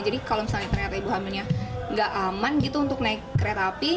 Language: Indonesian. jadi kalau misalnya ternyata ibu hamilnya tidak aman untuk naik kereta api